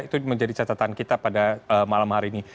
itu menjadi catatan kita pada malam hari ini